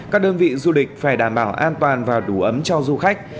các đơn vị du lịch phải đảm bảo an toàn và đủ ấm cho du khách